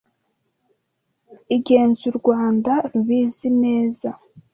ingenz u Rwanda rubizi neza